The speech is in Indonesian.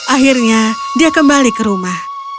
akhirnya dia kembali ke rumah